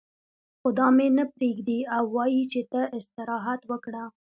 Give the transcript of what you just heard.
خو دا مې نه پرېږدي او وايي چې ته استراحت وکړه.